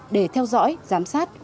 để theo dõi giám sát